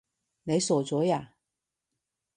你傻咗呀？